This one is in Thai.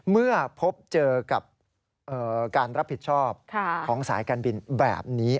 เมื่อพบเจอกับการรับผิดชอบของสายการบินแบบนี้